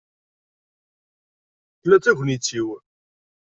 Tella d tagnit-iw..